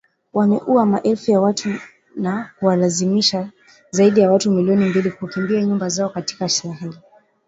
Wameua maelfu ya watu na kuwalazimisha zaidi ya watu milioni mbili kukimbia nyumba zao katika Sahel